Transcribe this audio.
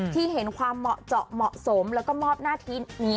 ที่เห็นความเหมาะเจาะเหมาะสมแล้วก็มอบหน้าที่นี้